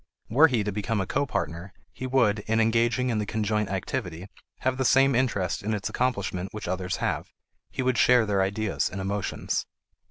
Were he to become a copartner, he would, in engaging in the conjoint activity, have the same interest in its accomplishment which others have. He would share their ideas and emotions.